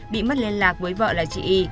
bị mất liên lạc với vợ là chị y